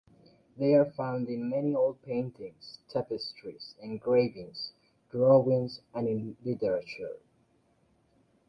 They are found in many old paintings, tapestries, engravings, drawings and in literature.